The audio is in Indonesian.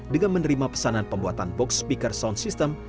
dengan menerima pesanan pembuatan box speaker sound system